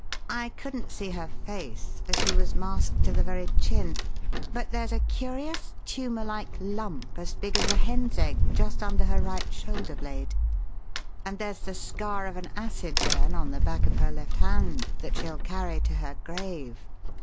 I couldn't see her face, for she was masked to the very chin; but there's a curious, tumor like lump, as big as a hen's egg, just under her right shoulder blade, and there's the scar of an acid burn on the back of her left hand that she'll carry to her grave.